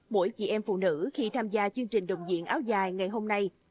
mỗi chị em phụ nữ khi tham gia chương trình đồng diện áo dài ngày hôm nay